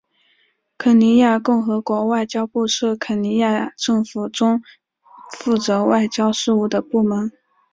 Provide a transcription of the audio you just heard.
肯尼亚共和国外交部是肯尼亚政府中负责外交事务的部门。